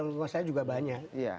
mas saya juga banyak